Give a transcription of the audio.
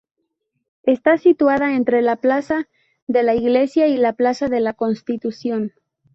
Está situada entre la plaza de la Iglesia y la plaza de la Constitución.